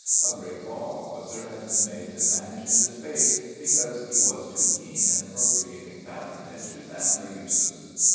A great law officer has been made to vanish into space because he was too keen in appropriating patronage to family uses.